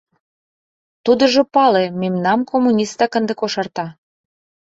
Тудыжо пале: мемнам коммунистак ынде кошарта.